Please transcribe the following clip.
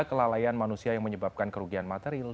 kelalaian manusia yang menyebabkan kerugian material